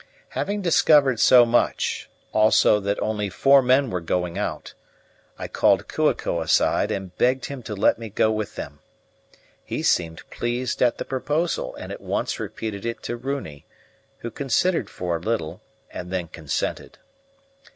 Having discovered so much, also that only four men were going out, I called Kua ko aside and begged him to let me go with them. He seemed pleased at the proposal, and at once repeated it to Runi, who considered for a little and then consented.